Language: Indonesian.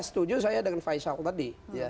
merepasannya bersama saya dengan faishal tadi